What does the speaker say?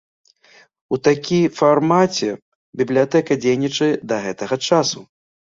У такі фармаце бібліятэка дзейнічае да гэтага часу.